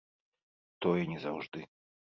І тое не заўжды.